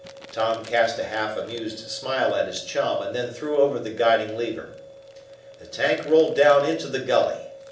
Tom cast a half amused smile at his chum, and then threw over the guiding lever. The tank rolled down into the gully.